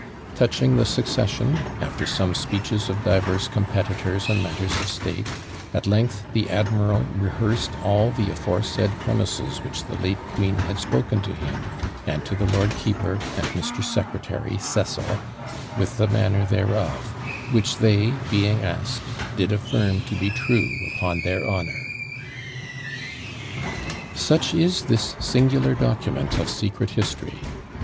Touching the succession, after some speeches of divers competitors and matters of state, at length the admiral rehearsed all the aforesaid premises which the late queen had spoken to him, and to the lord keeper, and Mr. Secretary (Cecil), with the manner thereof; which they, being asked, did affirm to be true upon their HONOUR." Such is this singular document of secret history.